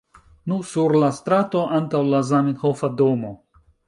Nu, sur la strato antaŭ la Zamenhofa domo